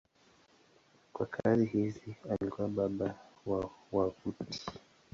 Kwa kazi hizi alikuwa baba wa wavuti.